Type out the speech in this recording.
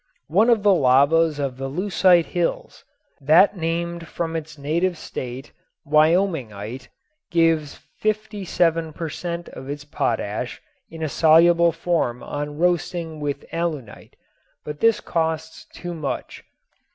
One of the lavas of the Leucite Hills, that named from its native state "Wyomingite," gives fifty seven per cent. of its potash in a soluble form on roasting with alunite but this costs too much.